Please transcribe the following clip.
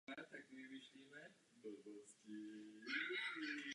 V době druhé světové války byla průmyslová centra ve Skotsku terčem německých náletů.